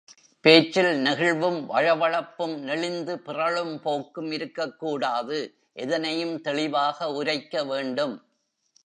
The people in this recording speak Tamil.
பேச்சில் நெகிழ்வும், வழவழப்பும், நெளிந்து பிறழும் போக்கும் இருக்கக்கூடாது எதனையும் தெளிவாக உரைக்க வேண்டும்.